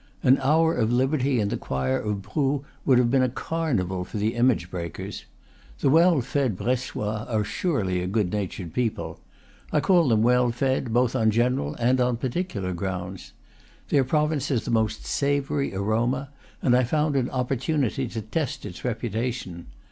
An hour of liberty in the choir of Brou would have been a carnival for the image breakers. The well fed Bressois are surely a good natured people. I call them well fed both on general and on particular grounds. Their province has the most savory aroma, and I found an opportunity to test its reputation.